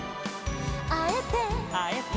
「あえて」「あえて」